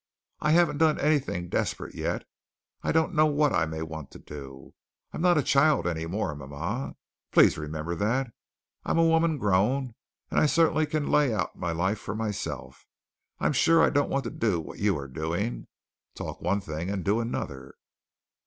I haven't done anything desperate yet. I don't know what I may want to do. I'm not a child any more, mama. Please remember that. I'm a woman grown, and I certainly can lay out my life for myself. I'm sure I don't want to do what you are doing talk one thing and do another."